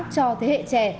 cho thế hệ trẻ